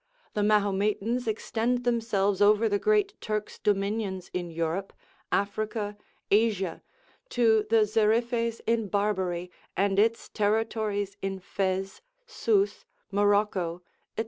The Mahometans extend themselves over the great Turk's dominions in Europe, Africa, Asia, to the Xeriffes in Barbary, and its territories in Fez, Sus, Morocco, &c.